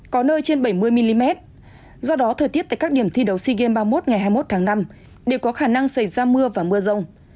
có nơi trên bảy mươi mm do đó thời tiết tại các điểm thi đấu sea games ba mươi một ngày hai mươi một tháng năm đều có khả năng xảy ra mưa và mưa rông